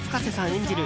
演じる